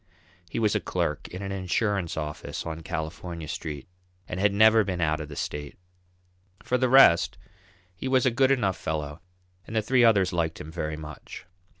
He was a clerk in an insurance office on California Street, and had never been out of the state. For the rest he was a good enough fellow and the three others liked him very much.